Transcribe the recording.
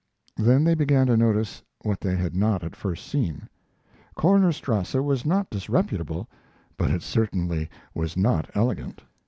Then they began to notice what they had not at first seen. Kornerstrasse was not disreputable, but it certainly was not elegant.